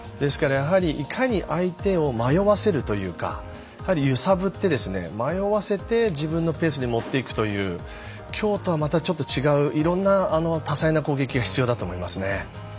いかに相手を迷わせるか揺さぶって、迷わせて自分のペースに持っていくというきょうとは、また違う、いろんな多彩の攻撃が必要だと思います。